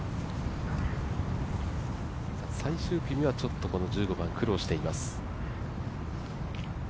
最終組はちょっとこの１５番、苦労しています。